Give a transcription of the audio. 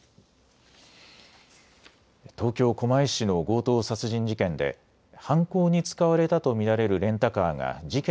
東京狛江市の強盗殺人事件で犯行に使われたと見られるレンタカーが事件